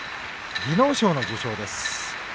技能賞の受賞です。